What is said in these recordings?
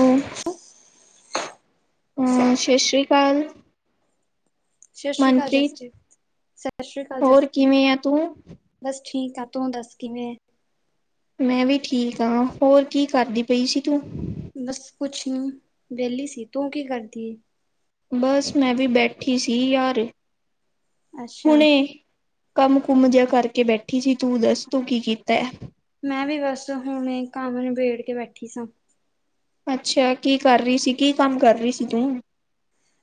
ਹੂੰ ਸਤਿ ਸ਼੍ਰੀ ਅਕਾਲ, ਫਲ, ਸਤਿ ਸ਼੍ਰੀ ਕਾਲ ਜੱਸੀ ਸਤਿ ਸ਼੍ਰੀ ਅਕਾਲ ਹੋਰ ਜੂੱਸੀ, ਕਿਵੇਂ ਆ ਤੂੰ ਠੀਕ ਆ, ਤੂੰ ਦੱਸ ਕਿਵੇਂ ਐ? ਮੈਂ ਵੀ ਠੀਕ ਹਾਂ, ਹੋਰ ਕੀ ਕਰਦੀ ਪਈ ਸੀ ਤੂੰ? ਬਸ ਕੁਛ ਨੀ ਵਿਹਲੀ ਸੀ, ਤੂੰ ਕੀ ਕਰਦੀ ਐ? ਬਸ ਮੈਂ ਵੀ ਬੈਠੀ ਸੀ ਯਾਰ, ਅੱਛਾ, ਹੁਣੇ ਕੰਮ ਕੁਮ ਜਿਹਾ ਕਰਕੇ ਬੈਠੀ ਸੀ। ਤੂੰ ਦੱਸ ਤੂੰ ਕੀ ਕੀਤਾ ਹੈ ਮੈਂ ਵੀ ਬਸ ਹੁਣ ਕੰਮ ਨਿਬੇੜ ਕੇ ਕੇ ਬੈਠੀ ਸਾਂ, ਅੱਛਾ ਕੀ ਕਰ ਰਹੀ ਸੀ, ਕੀ ਕੰਮ ਕਰ ਰਹੀ ਸੀ ਤੂੰ?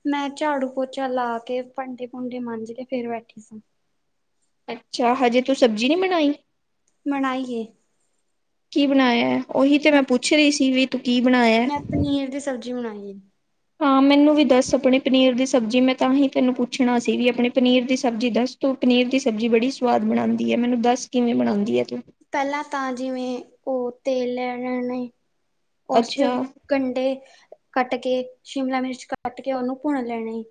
ਮੈਂ ਝਾੜੂ ਪੋਚਾ ਲਾ ਕੇ ਭਾਂਡੇ ਭੂੰਡੇ ਮਾਜ ਕੇ ਫੇਰ ਬੈਠੀ ਸੀ। ਅੱਛਾ ਹਜੇ ਤੂੰ ਸਬਜ਼ੀ ਨੀ ਬਣਾਈ। ਮਨਾਈਏ, ਕੀ ਬਣਾਇਆ? ਉਹੀ ਤੇ ਮੈਂ ਪੁੱਛ ਰਹੀ ਸੀ, ਵੀ ਤੂੰ ਕੀ ਬਣਾਇਆ? ਭੁਜੀ ਬਣਾਈ ਐ, ਹਾਂ ਮੈਨੂੰ ਵੀ ਦੱਸ ਆਪਣੇ ਪਨੀਰ ਦੀ ਸਬਜ਼ੀ ਮੈਂ ਤਾਂ ਹੀ ਤੈਨੂੰ ਪੁੱਛਣਾ ਸੀ ਵੀ ਆਪਣੇ ਪਨੀਰ ਦੀ ਸਬਜ਼ੀ ਦਸ ਤੂੰ ਪਨੀਰ ਦੀ ਸਬਜ਼ੀ ਬੜੀ ਸੁਵਾਦ ਬਣਾਦੀ ਹੈ ਮੈਨੂੰ ਦੱਸ ਕਿਵੇਂ ਬਣਾਦੀ ਹੈ ਤੂੰ। ਪਹਿਲਾਂ ਤਾਂ ਜਿਵੇਂ ਉਹ ਤੇਲ ਲੈ ਲੈਣਾ ਨੇ, ਉਸ ਚੋ ਅੱਛਾ ਕੰੰਡੇ ਕੱਟ ਕੇ ਸ਼ਿਮਲਾ ਮਿਰਚ, ਕੱਟ ਕੇ ਉਹਨੂੰ ਭੁੰਨ ਲੈਣਾ ਈ।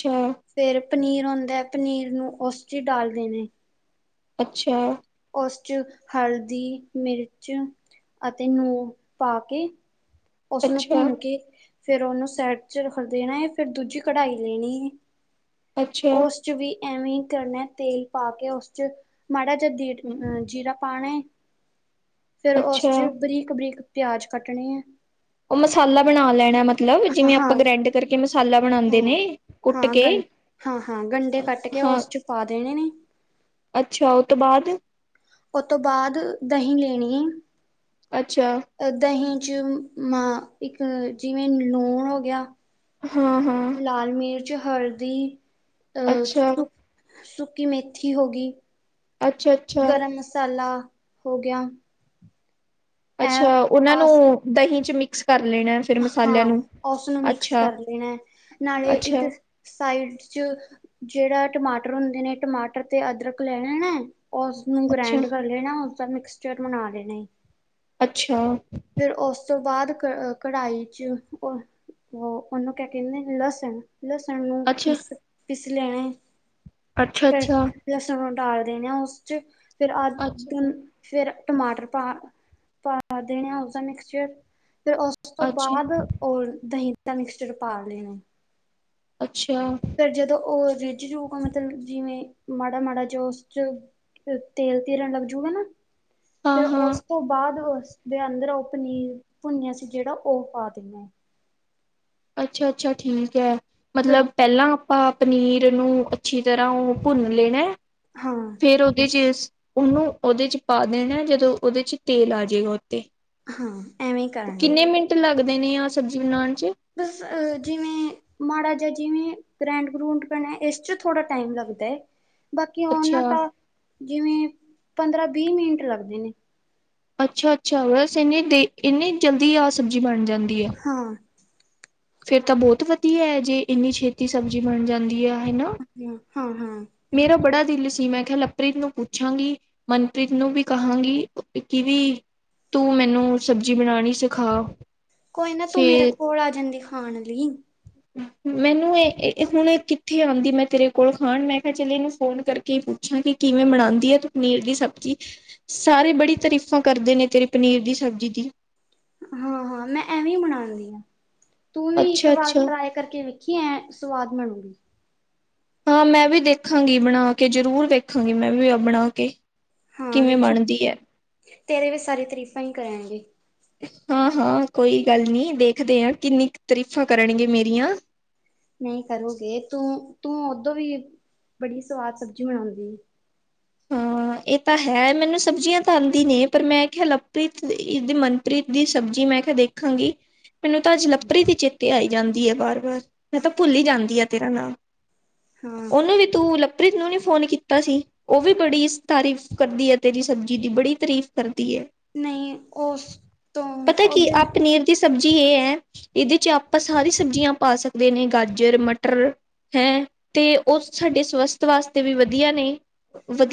ਛਾ। ਪਨੀਰ ਹੁੰਦਾ ਹੈ, ਪਨੀਰ ਨੂੰ ਉਸ ਚ ਹੀ ਡਾਲ ਦੇਣੇ। ਅੱਛਾ। ਉਸ ਚ ਹਲਦੀ, ਮਿਰਚ, ਅਤੇ ਨੂੰ ਪਾ ਕੇ ਉਸਨੂੰ ਅੱਛਾ ਭੁੰਨ ਕੇ ਫਿਰ ਉਹਨੂੰ ਸਾਇਡ ਚ ਰੱਖ ਦੇਣਾ, ਹੈ, ਫਿਰ ਦੂਜੀ ਕੜਾਈ ਲੈਣੀ ਏ। ਅੱਛਾ ਉਸ ਚ ਵੀ ਐਵੇ ਥੋੜੀ ਨ, ਤੇਲ ਪਾ ਉਸ ਵਿਚ ਮਾੜਾ ਜੇ ਦੀਡ। ਹਮ, ਫਿਰ ਉਸ ਅੱਛਾ ਚ ਬਰੀਕ, ਬਰੀਕ, ਪਿਆਜ ਕੱਟਣੇ ਏ। ਉਹ ਮਸਾਲਾ ਬਣਾ ਲੈਣਾ, ਮਤ ਹਾਂ-ਹਾਂ ਜਿਵੇਂ ਆਪਾਂ ਗ੍ਰੈਂਡ ਕਰਕੇ ਮਸਾਲਾ ਹਾਂ। ਬਣਾਉਂਦੇ ਨੇ, ਹਾਂ ਕੁੱਟ ਹਾਂ ਕੇ, ਗੰ ਹਾਂ-ਹਾਂ ਗੰਢੇ ਕੱਟ ਕੇ ਹਾਂ, ਉਸ ਚ ਪਾ ਦੇਣੇ ਨੇ। ਅੱਛਾ ਉਹ ਤੋਂ ਬਾਅਦ ਉਤੋਂ ਤੋਂ ਬਾਅਦ ਦਹੀਂ ਲੈਣੀ ਏ। ਅੱਛਾ। ਜੁਮਾ, ਇੱਕ ਜਿਵੇਂ ਲੂਣ ਹੋ ਗਿਆ। ਹਾਂ ਹਾਂ। ਤੇ, ਹਲਦੀ। ਅਹ ਅੱਛਾ ਸੁੱਕ--ਸੁੱਕ। ਕਿ ਮੇਥੀ, ਹੋ ਗਈ। ਅੱਛਾ ਅੱਛਾ ਗਰਮ ਮਸਾਲਾ। ਹੋ ਗਿਆ। ਅੱਛਾ, ਇਹ ਉਹਨਾਂ ਆਸ ਨੂੰ ਦਹੀਂ ਚ ਮਿ ਹਾਂ, ਉਸਨੂੰ ਮਿਕਸ ਅੱਛਾ ਕਰ ਦੇਣਾ ਹੈ, ਨਾਲੇ ਅੱਛਾ, ਇੱਕ ਸਾਈਡ ਚ ਜਿਹੜਾ ਟਮਾਟਰ ਹੁੰਦੇ ਨੇ, ਟਮਾਟਰ ਤੇ ਅਦਰਕ ਲੈਣਾ ਐ। ਉਸਨੂੰ ਅੱਛਾ, ਗ੍ਰੈਂਡ ਕਰ ਲੈਣਾ, ਉਸਦਾ ਮਿਕਸਚਰ ਬਣਾ ਲਏ। ਨਈ। ਅੱਛਾ ਉਸ ਤੋਂ ਬਾਅਦ ਕ ਕੜਾਹੀ ਚ, ਉਹ ਉਹਨੂੰ ਕਹਿੰਦੇ ਲਸਣ। ਲੱਸਣ ਨੂੰ ਅੱਛਾ, ਪਿਸ--ਪਿਸ ਲੈਣੇ ਅੱਛਾ, ਫਿਰ ਅੱਛਾ। ਲਸਣ [unintelligible] ਆ ਉਸ ਚ ਫਿਰ ਅੱਜ ਅੱਛਾ, ਦਿਨ ਫਿਰ ਟਮਾਟਰ ਪਾ ਪਾ ਦੇਣੇ ਆ। ਉਸਦਾ ਮਿਕਸਚਰ ਫਿਰ ਉਸ ਤੋਂ ਅੱਛਾ, ਬਾਅਦ ਓਰ ਦਹੀਂ। ਤਾਂ ਮਿਕਸਚਰ ਪਾ ਲੈਨੇ ਅੱਛਾ, ਫੇਰ ਜਦੋਂ ਓ- ਰਿੱਜ ਜਊਗਾ ਮਤਲਬ ਜਿਵੇਂ ਮਾੜਾ ਮਾੜਾ ਜੋ ਉਸ 'ਚ ਤੇਲ ਤਿਰਨ ਲੱਗ ਜੂਗਾ ਨਾ। ਫੇਰ ਹਾਂ-ਹਾਂ, ਉਸ ਤੋਂ ਬਾਅਦ ਵ- ਦੇ ਅੰਦਰ ਓ ਪਨੀਰ ਭੁੰਨਿਆ ਸੀ ਜੇੜਾ ਓ ਪਾ ਦੇਣਾ। ਅੱਛਾ ਅੱਛਾ ਠੀਕ ਐ। ਫਿਰ ਮਤਲਬ ਪਹਿਲਾਂ- ਆਪਾ ਪਨੀਰ ਨੂੰ ਅੱਛੀ ਤਰ੍ਹਾਂ ਓ ਭੁੰਨ ਲੇਣਾ। ਹਾਂ ਫੇਰ ਉਦੇ' ਚ- ਓਨੂੰ ਉਦੇ 'ਚ ਪਾ ਦੇਣਾ ਜਦੋਂ ਉਦੇ 'ਚ ਤੇਲ ਆ ਜੇਗਾ। ਓਹ ਹਾਂ ਐਵੇਂ ਕਰਨਾ ਤੇ-ਕਿੰਨੇ ਮਿੰਟ ਲੱਗ- ਲਗਦੇ ਨੇ ਆ ਸਬਜ਼ੀ ਬਣਾਣ 'ਚ। ਬਸ ਜਿਵੇਂ ਮਾੜਾ ਜਿਆ ਜਿਵੇਂ ਗ੍ਰੈਂਡ ਗਰੂਡ ਬਣੇ ਏਸ 'ਚ ਥੋੜ੍ਹਾ ਟਾਈਮ ਲੱਗਦਾ ਏ। ਬਾਕੀ ਅੱਛਾ, ਉਨਾਂ ਤਾਂ ਜਿਵੇਂ ਪੰਦਰਾਂ ਵੀਹ ਮਿੰਟ ਲੱਗਦੇ ਨੇ। ਅੱਛਾ ਅੱਛਾ ਵੈਸੇ ਇੰਨੀ ਦੇ ਇਨੀ ਜਲਦੀ ਆਹ ਸਬਜ਼ੀ ਬਣ ਜਾਂਦੀ। ਐ। ਹਾਂ ਫੇਰ ਤਾਂ ਬਹੁਤ ਵਧੀਆ ਐ ਜੇ ਇੰਨੀ ਛੇਤੀ ਸਬਜ਼ੀ ਬਣ ਜਾਂਦੀ ਆ। ਹੈਨਾ ਹਾਂ ਹਾਂ ਹਾਂ ਮੇਰਾ ਬੜਾ ਦਿਲ ਸੀ ਮੈ- ਕਿਆ ਲਵਪ੍ਰੀਤ ਨੂੰ ਪੁੱਛਾਂਗੀ। ਮਨਪ੍ਰੀਤ ਨੂੰ ਵੀ ਕਹਾਂਗੀ ਕਿ ਵੀ ਤੂੰ ਮੈਨੂੰ ਸਬਜ਼ੀ ਬਣਾਣੀ ਸਿਖਾ। ਕੋਈ ਨਾ ਤੂੰ ਮੇਰੇ ਫੇਰ ਕੋਲ ਆ ਜਾਂਦੀ। ਖਾਣ ਲਈ। ਮੈਨੂੰ ਏ ਏ ਹੁਣ ਕਿੱਥੇ ਆਂਦੀ ਮੈਂ ਤੇਰੇ ਕੋਲ ਖਾਣ, ਮੈਂ ਕਿਹਾ ਚਲੇ ਇਹਨੂੰ ਫੋਨ ਕਰਕੇ ਪੁੱਛਾਂ ਕਿ ਕਿਵੇਂ ਬਨਾਦੀ ਆ ਤੂੰ ਪਨੀਰ ਦੀ ਸਬਜ਼ੀ। ਸਾਰੇ ਬੜੀ ਤਾਰੀਫ਼ਾਂ ਕਰਦੇ ਨੇ ਤੇਰੇ ਪਨੀਰ ਦੀ ਸਬਜ਼ੀ ਦੀ। ਹਾਂ ਹਾਂ ਮੈਂ ਐਵੇਂ ਬਨਾਂਣੀ ਆਂ। ਤੂੰ ਵੀ ਇੱਕ ਅੱਛਾ ਵਾਰ ਅੱਛਾ ਟਰਾਏ ਕਰਕੇ ਵੇਖੀ ਐ ਸਵਾਦ ਬਣੂਗੀ। ਹਾਂ ਮੈਂ ਵੀ ਦੇਖਾਂਗੀ ਬਣਾ ਕੇ ਜ਼ਰੂਰ ਵੇਖਾਂਗੀ ਮੈਂ ਵੀ ਬਣਾ ਕੇ। ਹਾਂ ਕਿਵੇਂ ਵੇਖੀ ਬਣਦੀ ਐ। ਤੇਰੇ ਵੀ ਸਾਰੇ ਤਰੀਫਾਂ ਈ ਕਰਾਂਗੇ। ਹਾਂ ਹਾਂ ਕੋਈ ਗੱਲ ਨੀ ਦੇਖਦੇ ਆ। ਕਿੰਨੀ ਕੀ ਤਾਰੀਫ਼ਾਂ ਕਰਨਗੇ ਮੇਰੀਆਂ। ਨਹੀਂ ਕਰੂਗੇ ਤੂੰ- ਤੂੰ ਓਦੋਂ ਵੀ ਬੜੀ ਸਵਾਦ ਸਬਜ਼ੀ ਬਣਾਉਂਦੀ ਏ। ਹਾਂ ਏ ਤਾਂ ਹੈ ਮੈਨੂੰ ਸਬਜ਼ੀਆਂ ਤਾਂ ਆਂਦੀ ਨੇ। ਪਰ ਮੈਂ ਕਿਹਾ ਲਵਪ੍ਰੀਤ ਇਹਦੀ ਮਨਪ੍ਰੀਤ ਦੀ ਸਬਜ਼ੀ ਮੈਂ ਕਿਆ ਦੇਖਾਂਗੀ। ਮੈਨੂੰ ਤਾਂ ਅੱਜ ਲਵਪ੍ਰੀਤ ਈ ਚੇਤੇ ਆਈ। ਜਾਂਦੀ ਐ, ਬਾਰ ਵਾਰ ਮੈਂ ਤਾਂ ਭੁੱਲ ਹੀ ਜਾਂਦੀ ਆ ਤੇਰਾ ਨਾਂ ਹਾਂ ਉਹਨੂੰ ਵੀ ਤੂੰ ਲ ਪ੍ਰਿਤ ਨੂੰ ਨੇ ਫੋਨ ਕੀਤਾ ਸੀ। ਤਾਰੀਫ ਕਰਦੀ ਐ, ਤੇਰੀ ਸਬਜ਼ੀ ਦੀ ਬੜੀ ਤਾਰੀਫ ਕਰ ਨਈਂ ਉਸ ਤੋਂ ਪਤਾ ਕੀ ਉਹਦੇ ਆਹ ਪਨੀਰ ਦੀ ਸਬਜ਼ੀ ਇਹ ਐ, ਇਹਦੇ ਚ ਆਪਾਂ ਸਾਰੀ ਸਬਜ਼ੀਆਂ ਪਾ ਸਕਦੇ ਨੇ ਗਾਜਰ, ਮਟਰ ਹੈਂ? ਤੇ ਉਹ ਸਾਡੇ ਸਵਸਥ ਵਾਸਤੇ ਵੀ ਵਧੀਆ ਨੇਂ।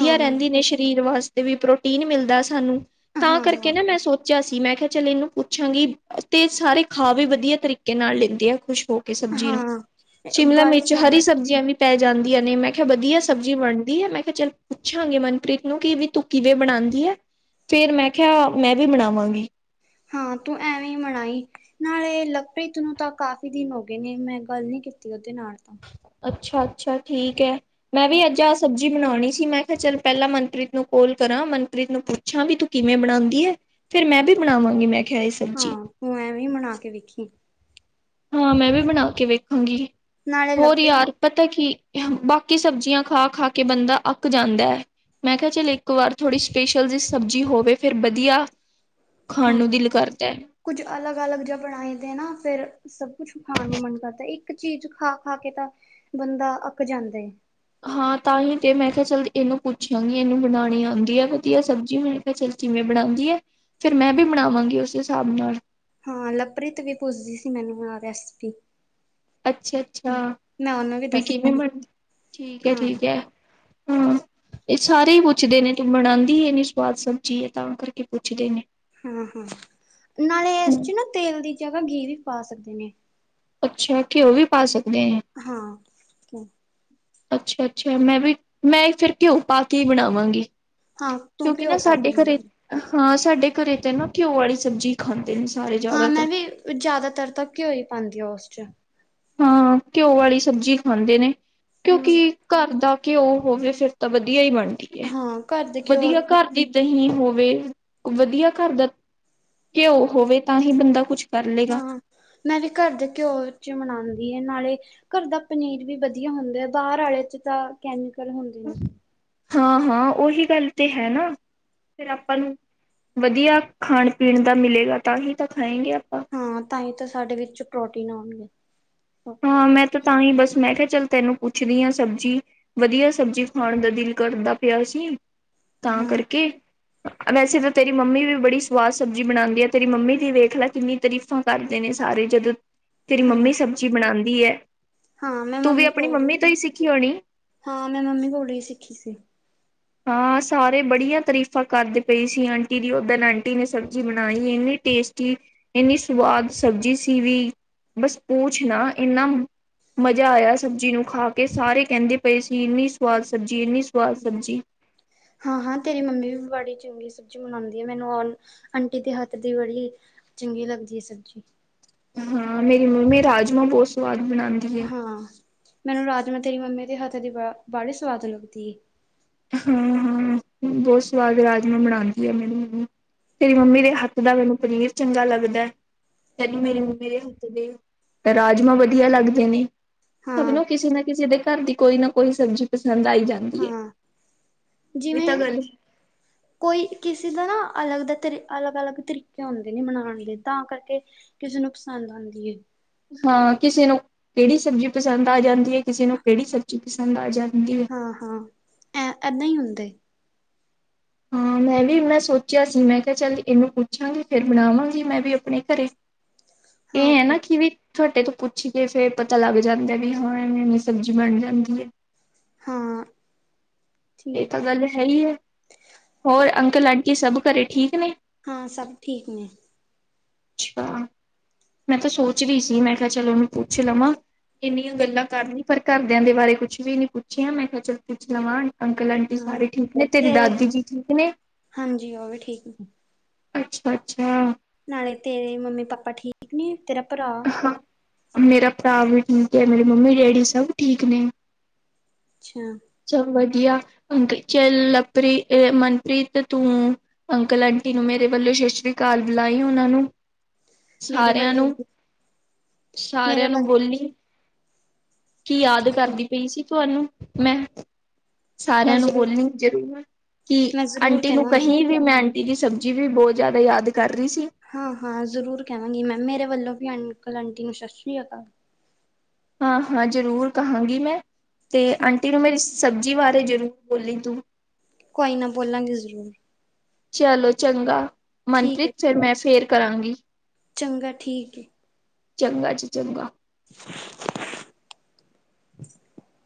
ਹਾਂ ਰਹਿੰਦੀ ਨੇ ਸਰੀਰ ਵਾਸ ਤੇ ਵੀ ਪ੍ਰੋਟੀਨ ਮਿਲਦਾ ਸਾਨੂੰ ਤਾਂ ਹਾਂ ਕਰਕੇ ਹਾਂ ਨਾਂ ਮੈਂ ਸੋਚ ਆ ਸੀ। ਮੈਂ ਕਿਹਾ ਚੱਲ ਇਹਨੂੰ ਪੁੱਛਾਂਗੀ ਤੇ ਸਾਰੇ ਖਾ ਵੀ ਵਧੀਆ ਤਰੀਕੇ ਨਾਲ ਲੈਂਦੇ ਆਂ ਖੁਸ਼ ਹੋ ਕੇ ਸਬਜ਼ੀ ਨੂੰ ਹਾਂ ਸ਼ਿਮਲਾ ਬਾਈ ਮਿਰਚ ਸਰ ਹਰੀ ਸਬਜ਼ੀਆਂ ਵੀ ਪੈ ਜਾਂਦੀਆਂ ਨੇ ਮੈਂ ਕਿਹ ਵਧੀਆ ਸਬਜ਼ੀ ਬਣਦੀ ਐ। ਮੈਂ ਚੱਲ ਪੁੱਛਾਂਗੇ ਮਨਪ੍ਰੀਤ ਨੂੰ ਕਿ ਵੀ ਤੂੰ ਕਿਵੇਂ ਬਣਾਂਦੀ ਐ ਫਿਰ ਮੈਂ ਕਿਹਾ ਮੈਂ ਵੀ ਬਣਾਵਾਂਗੀ। ਹਾਂ, ਤੂੰ ਐਵੇਂ ਮਨਾਈ ਨਾਲੇ ਲਖਪ੍ਰੀਤ ਨੂੰ ਤਾਂ ਕਾਫ਼ੀ ਦਿਨ ਹੋ ਗਏ ਨੇ ਮੈਂ ਗੱਲ ਨੀ ਕੀਤੀ ਉਹਦੇ ਨਾਲ ਤਾਂ ਅੱਛਾ ਅੱਛਾ ਠੀਕ ਐ। ਮੈਂ ਵੀ ਅੱਜ ਆ ਸਬਜ਼ੀ ਜੀ ਬਣਾਉਣੀ ਸੀ ਮੈਂ ਕਿਹਾ ਚੱਲ ਪਹਿਲਾਂ ਮਨਪ੍ਰੀਤ ਨੂੰ ਕਾੱਲ ਕਰਾਂ, ਮਨਪ੍ਰੀਤ ਨੂੰ ਪੁੱਛਾਂ ਵੀ ਤੂੰ ਕਿਵੇਂ ਬਣਾਂਦੀ ਐ ਫ਼ਿਰ ਮੈਂ ਵੀ ਬਣਾਵਾਂਗੀ ਮੈਂ ਕਿਹਾ ਇਹ ਸਬਜ਼ੀ ਹਾਂ, ਤੂੰ ਐਵੇਂ ਮਨਾ ਕੇ ਵੇਖੀਂ। ਹਾਂ ਮੈਂ ਵੀ ਬਣਾ ਕੇ ਵੇਖਾਂਗੀ। ਨਾਲੇ ਹੋਰ ਲਵਪ੍ਰੀਤ ਯਾਰ ਪਤਾ ਕੀ ਬਾਕੀ ਸਬਜ਼ੀਆਂ ਖਾ ਖਾ ਕੇ ਬੰਦਾ ਅੱਕ ਜਾਂਦਾ ਐ, ਮੈਂ ਕਿਹਾ ਚੱਲ ਇੱਕ ਵਾਰ ਥੋੜ੍ਹੀ ਸਪੇਸ਼ਲ ਜ ਸਬਜ਼ੀ ਹੋਵੇ ਫਿਰ ਵਧੀਆ ਖਾਣ ਹਾਂ, ਨੂੰ ਦਿਲ ਕਰਦਾ। ਕੁੱਝ ਅਲੱਗ-ਅਲੱਗ ਜ ਬਣਾਈ ਦੇ ਨਾ ਫੇਿਰ ਸਭ ਕੁਛ ਖਾਣ ਨੂੰ ਮਨ ਕਰਦਾ। ਇੱਕ ਚੀਜ਼ ਖਾ-ਖਾ ਕੇ ਤਾਂ ਬੰਦਾ ਅੱਕ ਜਾਂਦਾ। ਹਾਂ, ਤਾਂ ਹੀ ਤੇ ਮੈਂ ਕਿਹਾ ਚੱਲ ਇਹਨੂੰ ਪੁੱਛਿਆਗੀਂ ਇਹਨੂੰ ਬਣਾਣੀ ਆਂਦੀਆਂ ਵਧੀਆ ਸਬਜ਼ੀ ਬਨਾਂਨੀ ਚੱਲ ਜਿਵੇਂ ਬਣਾਂਦੀ ਐ ਫੇਿਰ ਮੈਂ ਵੀ ਬਣਾਵਾਂਗੀ ਉਸ ਹਿਸਾਬ ਨਾਲ ਹਾਂ ਲਪ੍ਰੀਤ ਵੀ ਪੁੱਜਦੀ ਸੀ ਮੈਨੂੰ ਨਾ ਰੈਸਪੀ ਅੱਛਾ ਅੱਛਾ, ਮੈਂ ਉਹਨੂੰ ਵੀ ਵੀਂ ਦੱਸ ਕਿਵੇਂ ਠੀਕ ਐ, ਹਾਂ ਠੀਕ ਐ। ਹਂ, ਇਹ ਸਾਰੇ ਈ ਪੁੱਛਦੇ ਨੇਂ ਤੂੰ ਬਣਾਂਦੀ ਇੰਨੀ ਸਵਾਦ ਸਬਜ਼ੀ ਐ ਤਾਂ ਕਰਕੇ ਪੁੱਛਦੇ ਨੇਂ ਹਾਂ ਹਾਂ ਨਾਲੇ ਇਸ ਚ ਨਾ ਤੇਲ ਦੀ ਜਗ੍ਹਾ ਘੀ ਵੀ ਪਾ ਸਕਦੇ ਨੇ ਅੱਛਾ ਘਿਓ ਵੀ ਪਾ ਸਕ ਹਾਂ। ਅੱਛਾ ਅੱਛਾ ਮੈਂ ਵੀ ਮੈਂ ਫਿਰ ਘਿਓ ਪਾ ਕੇ ਹੀ ਬਣਾਵਾਂਗੀ। ਹਾਂ ਤੂੰ ਕਿਉਂਕਿ ਘਿਓ ਨਾ ਪਾ ਸਾਡੇ ਕੇ ਘਰੇ ਮ ਹਾਂ ਸਾਡੇ ਘਰੇ ਤੇ ਨਾ ਘਿਓ ਵਾਲੀ ਸਬਜ਼ੀ ਖਾਂਦੇ ਨੇ। ਸਾਰੇ ਹਾਂ ਜ਼ਿਆਦਾਤਰ ਮੈਂ ਵੀ ਜ਼ਿਆਦਾਤਰ ਤਾਂ ਘਿਓ ਹੀ ਪਾਂਦੀ ਆ ਉਸ ਚ ਹਾਂ ਘਿਓ ਵਾਲੀ ਸਬਜ਼ੀ ਖਾਂਦੇ ਨੇ। ਹਮ ਕਿਉਂਕਿ ਘਰ ਦਾ ਘਿਓ ਹੋਵੇ ਫਿਰ ਤਾਂ ਵਧੀਆ ਹੀ ਬਣ ਠੀਕ ਹੈ ਹਾਂ ਘਰ ਦੇ ਘਿਓ ਵਧੀਆ ਘਰ ਦੀ ਦਹੀ ਹੋਵੇ ਵਧੀਆ ਘਰ ਦਾ ਘਿਓ ਹੋਵੇ। ਤਾਂ ਹੀ ਬੰਦਾ ਕੁੱਛ ਹਾਂ ਮੈਂ ਵੀ ਘਰ ਦੇ ਘਿਓ ਚ ਮਨਾਂਦੀ ਹੈ ਨਾਲੇ ਘਰ ਦਾ ਪਨੀਰ ਵੀ ਵਧੀਆ ਹੁੰਦਾ ਹੈ ਬਾਹਰ ਆਲੇ ਚ ਤਾਂ ਕੈਮੀਕਲ ਹੁੰਦੇ ਨੇ। ਹਾਂ ਹਾਂ ਉਹੀ ਗੱਲ ਤੇ ਹੈ ਨਾ ਫਿਰ ਆਪਾਂ ਨੂੰ ਵਧੀਆ ਖਾਣ ਪੀਣ ਦਾ ਮਿਲੇਗਾ ਤਾਂ ਹੀ ਤਾਂ ਖਾਏਗੇ ਆਪਾਂ। ਹਾਂ ਤਾਂ ਹੀ ਤਾਂ ਸਾਡੇ ਵਿੱਚ ਪ੍ਰੋਟੀਨ ਆਉਣਗੇ ਹਾਂ ਮੈਂ ਤਾਂ ਤਾਂ ਹੀ ਬੱਸ ਮੈਂ ਕਿਹਾ ਚੱਲ ਤੈਨੂੰ ਪੁੱਛਦੀ ਹਾਂ ਸਬਜ਼ੀ ਵਧੀਆ ਸਬਜ਼ੀ ਖਾਣ ਦਾ ਦਿਲ ਕਰਦਾ ਪਿਆ ਸੀ। ਤਾਂ ਹਾਂ ਕਰਕੇ ਵੈਸੇ ਤਾਂ ਤੇਰੀ ਮੰਮੀ ਵੀ ਬੜੀ ਸਵਾਦ ਸਬਜ਼ੀ ਬਣਾਂਦੀ ਆ ਤੇਰੀ ਮੰਮੀ ਦੀ ਵੇਖ ਲੈ ਕਿੰਨੀ ਤਾਰੀਫ਼ਾਂ ਕਰਦੇ ਨੇ ਸਾਰੇ ਜਦੋਂ ਤੇਰੀ ਹਾਂ ਮੰਮੀ ਸਭ ਬਣਾਦੀ ਆ ਹਾਂ ਮੈਂ ਮੰਮੀ ਕੋਲ ਸਿੱਖੀ ਹੋਣੀ। ਹਾਂ ਮੈਂ ਮੰਮੀ ਕੋਲ ਹੀ ਸਿੱਖੀ ਸੀ। ਹਾਂ ਸਾਰੇ ਬੜੀਆਂ ਤਾਰੀਫ਼ਾਂ ਕਰਦੇ ਪਏ ਸੀ ਆਂਟੀ ਦੀ ਓਦਣ ਆਂਟੀ ਨੇ ਸਬਜ਼ੀ ਬਣਾਈ ਇੰਨੀ ਟੇਸਟੀ ਇੰਨੀ ਸਵਾਦ ਸਬਜ਼ੀ ਸੀ ਵੀ ਬਸ ਪੂਛ ਨਾ ਇੰਨਾ ਮਜ਼ਾ ਆਇਆ ਸਬਜ਼ੀ ਨੂੰ ਖਾ ਕੇ ਸਾਰੇ ਕਹਿੰਦੇ ਪਏ ਸੀ ਇੰਨੀ ਸਵਾਦ ਸਬਜ਼ੀ ਇੰਨੀ ਸਵਾਦ ਸਬਜ਼ੀ। ਹਾਂ ਹਾਂ ਤੇਰੀ ਮੰਮੀ ਵੀ ਬੜੀ ਚੰਗੀ ਸਬਜ਼ੀ ਬਣਾਂਦੀ ਆ ਮੈਨੂੰ ਆਂਟੀ ਦੇ ਹੱਥ ਦੀ ਬੜੀ ਚੰਗੀ ਲੱਗਦੀ ਹੈ ਸਬਜ਼ੀ। ਹਾਂ ਮੇਰੀ ਮੰਮੀ ਰਾਜਮਾਂ ਬਹੁਤ ਸਵਾਦ ਬਣਾਉਂਦੀ ਹੈ। ਹਾਂ। ਮੈਨੂੰ ਰਾਜਮਾ ਤੇਰੀ ਮੰਮੀ ਦੇ ਹੱਥ ਦੀ ਬ ਵਾਲੇ ਸਵਾਦ ਲੱਗਦੀ ਹੈ। ਹਾਂ ਹਾਂ ਬਹੁਤ ਸਵਾਦ ਰਾਜਮਾਂ ਬਣਾਉਂਦੀ ਆ ਮੈਨੂੰ ਮੰਮੀ ਤੇਰੀ ਮੰਮੀ ਦੇ ਹੱਥ ਦਾ ਮੈਨੂੰ ਪਨੀਰ ਚੰਗਾ ਲੱਗਦਾ ਹੈ। ਤੈਨੂੰ ਹਾਂ। ਮੇਰੇ ਮੰਮੀ ਦੇ ਰਾਜਮਾਂ ਵਧੀਆ ਲੱਗਦੇ ਨੇ। ਸਭ ਨੂੰ ਹਾਂ-ਹਾਂ ਕਿਸੇ ਨਾ ਕਿਸੇ ਦੇ ਘਰ ਦੀ ਕੋਈ ਨਾ ਕੋਈ ਸਬਜ਼ੀ ਪਸੰਦ ਆਈ ਜਾਂਦੀ ਏ। ਜਿਵੇਂ, ਕੋਈ ਕਿਸੇ ਦਾ ਨਾ ਅਲੱਗ ਦਾ ਤਰੀ ਅਲੱਗ-ਅਲੱਗ ਤਰੀਕੇ ਹੁੰਦੇ ਨੇ ਬਨਾਣ ਦੇ ਤਾਂ ਕਰਕੇ ਕਿਸੇ ਨੂੰ ਪਸੰਦ ਆਦੀ ਏ। ਹਾਂ ਕਿਸੇ ਨੂੰ ਕਿਹੜੀ ਸਬਜ਼ੀ ਪਸੰਦ ਆ ਜਾਂਦੀ ਹੈ ਕਿਸੇ ਨੂੰ ਕਿਹੜੀ ਸਬਜ਼ੀ ਪਸੰਦ ਆ ਜਾਂਦੀ ਐ। ਹਾਂ-ਹਾਂ ਐ ਏਦਾਂ ਹੀ ਹੁੰਦਾ। ਤੇ, ਹਾਂ ਮੈਂ ਵੀ ਮੈਂ ਸੋਚਿਆ ਸੀ ਮੈਂ ਕਿਹਾ ਚੱਲ ਇਹਨੂੰ ਪੁੱਛਾਂਗੀ ਫਿਰ ਬਣਾਵਾਂਗੀ ਮੈਂ ਵੀ ਆਪਣੇ ਘਰੇ। ਇਹ ਹੈ ਨਾ ਹਾਂ-ਹਾਂ ਕਿਵੇ ਤੁਹਾਡੇ ਤੋਂ ਪੁੱਛ ਕੇ ਫੇਰ ਪਤਾ ਲੱਗ ਜਾਂਦਾ ਵੀ ਹਾਂ ਐਵੇਂ-ਐਵੇਂ ਸਬਜ਼ੀ ਬਣ ਜਾਂਦੀ ਏ। ਹਾਂ, ਇਹ ਤਾਂ ਗੱਲ ਹੈ ਹੀ ਹੈ ਹੋਰ ਅੰਕਲ ਅੰਟੀ ਸਭ ਘਰੇ ਠੀਕ, ਨੇ ਹਾਂ ਸਭ ਠੀਕ ਨੇ। ਅੱਛਾ ਮੈਂ ਤਾਂ ਸੋਚ ਰਹੀ ਸੀ ਮੈਂ ਕਿਹਾ ਚਲੋ ਪੁੱਛ ਲਵਾਂ। ਇੰਨੀਆਂ ਗੱਲਾਂ ਕਰਨੀ ਪਰ ਘਰਦਿਆਂ ਦੇ ਬਾਰੇ ਕੁੱਛ ਵੀ ਨੀ ਪੁੱਛਿਆ ਮੈਂ ਕਿਹਾ ਚਲ ਪੁੱਛ ਲਵਾਂ। ਅੰਕਲ ਆਂਟੀ ਹਾਂ। ਸਾਰੇ ਠੀਕ ਨੇ ਤੇਰੀ ਤੇ ਦਾਦੀ ਜੀ ਠੀਕ ਨੇ? ਹਾਂਜੀ ਉਹ ਵੀ ਠੀਕ ਨੇ, ਅੱਛਾ-ਅੱਛਾ। ਨਾਲੇ ਤੇਰੇ ਮੰਮੀ ਪਾਪਾ ਠੀਕ ਨੇ? ਤੇਰਾ ਭਰਾ? ਹਾਂ ਮੇਰਾ ਭਰਾ ਵੀ ਠੀਕ ਏ ਮੇਰੀ ਮੰਮੀ ਡੈਡੀ ਸਭ ਠੀਕ ਨੇ। ਅੱਛਾ, ਸਭ ਵਧੀਆ [unintelligible] ਮਨਪ੍ਰੀਤ ਤੂੰ ਅੰਕਲ ਆਂਟੀ ਨੂੰ ਮੇਰੇ ਵੱਲੋਂ ਸਤਿ ਸ੍ਰੀ ਅਕਾਲ ਬੁਲਾਈ ਉਹਨਾਂ ਨੂੰ। ਮੇਰੇ ਸਾਰਿਆਂ ਵੱਲੋਂ ਨੂੰ ਮੇਰੇ ਸਾਰਿਆਂ ਨੂੰ ਵੱਲ ਬੋਲੀ। ਕੀ ਯਾਦ ਠੀਕ ਹੈ ਕਰਦੀ ਪਈ ਸੀ ਤੁਹਾਨੂੰ। ਮੈਂ, ਮੈਂ ਸਾਰਿਆਂ ਨੂੰ ਜ਼ਰੂਰ ਬੋਲੀ ਜ਼ਰੂਰ। ਕਿ ਮੈਂ ਜ਼ਰੂਰ ਆਂਟੀ ਨੂੰ ਕਹਾਂਗੀ ਕਹੀ ਵੀ ਮੈਂ ਆਂਟ ਗੀ ਸਬਜ਼ੀ ਵੀ ਬਹੁਤ ਜ਼ਿਆਦਾ ਯਾਦ ਕਰ ਰਹੀ ਸੀ। ਹਾਂ ਹਾਂ ਜ਼ਰੂਰ ਕਹਾਂਗੀ ਮੈਂ ਮੇਰੇ ਵੱਲੋਂ ਅੰਕਲ ਆਂਟੀ ਨੂੰ ਸਤਿ ਸ਼੍ਰੀ ਅਕਾਲ। ਹਾਂ-ਹਾਂ ਜ਼ਰੂਰ ਕਹਾਂਗੀ ਮੈਂ। ਤੇ ਠੀਕ ਆਂਟੀ ਨੂੰ ਮੇਰੀ ਸਤ ਸ੍ਰੀ ਅਕਾਲ ਸਬਜ਼ੀ ਬਾਰੇ ਜ਼ਰੂਰ ਬੋਲੀ ਤੂੰ ਕੋਈ ਨਾ ਬੋਲਾਂਗੇ ਜ਼ਰੂਰ ਚਲੋ ਚੰਗਾ ਠੀਕ ਹੈ ਮਨਪ੍ਰੀਤ ਸਰ ਮੈਂ ਫੇਰ ਕਰਾਂਗੀ ਚੰਗਾ ਠੀਕ ਏ ਚੰਗਾ ਜੀ ਚੰਗਾ [inaudible]